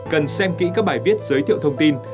cần xem kỹ các bài viết giới thiệu thông tin